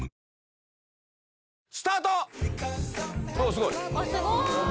すごい！